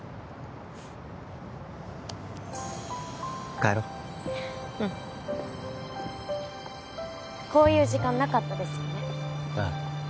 帰ろううんこういう時間なかったですよねああ